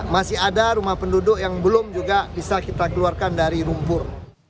masih ada rumah penduduk yang belum juga bisa kita keluarkan dari lumpur